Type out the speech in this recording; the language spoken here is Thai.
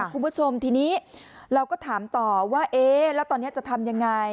คุณผู้ชมทีนี้เราก็ถามต่อว่าเอ๊ะแล้วตอนนี้จะทำยังไง